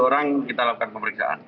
sepuluh orang kita lakukan pemeriksaan